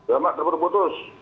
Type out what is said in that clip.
ya pak terputus putus